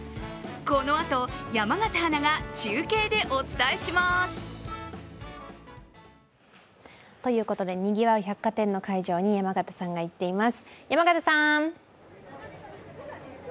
このあと、山形アナが中継でお伝えします！ということで、にぎわう百貨店の会場に山形さんが行っています。